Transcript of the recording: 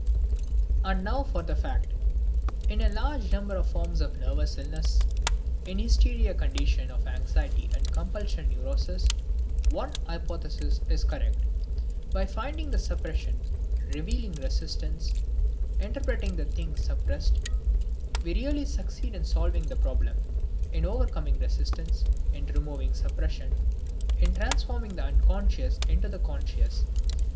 And now for the fact! In a large number of forms of nervous illness, in hysteria, conditions of anxiety and compulsion neuroses, one hypothesis is correct. By finding the suppression, revealing resistance, interpreting the thing suppressed, we really succeed in solving the problem, in overcoming resistance, in removing suppression, in transforming the unconscious into the conscious.